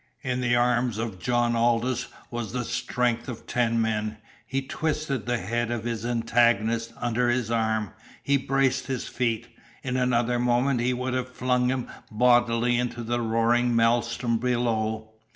In the arms of John Aldous was the strength of ten men. He twisted the head of his antagonist under his arm; he braced his feet in another moment he would have flung him bodily into the roaring maelstrom below.